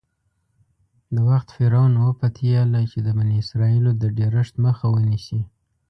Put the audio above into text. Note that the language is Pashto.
د وخت فرعون وپتېیله چې د بني اسرایلو د ډېرښت مخه ونیسي.